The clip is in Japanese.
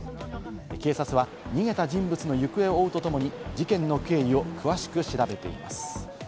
警察は逃げた人物の行方を追うとともに事件の経緯を詳しく調べています。